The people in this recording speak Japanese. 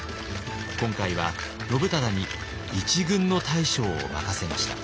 今回は信忠に一軍の大将を任せました。